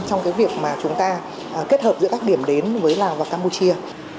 trong việc chúng ta kết hợp giữa các điểm đến với lào và campuchia